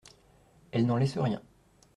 Elle n'en laisse rien.